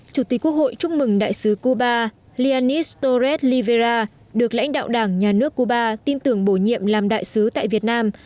chủ tịch quốc hội chúc mừng đại sứ cuba lianis torres livera được lãnh đạo đảng nhà nước cuba tin tưởng bổ nhiệm làm đại sứ tại việt nam